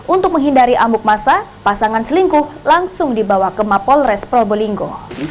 untuk menghindari amuk masa pasangan selingkuh langsung dibawa ke mapolres probolinggo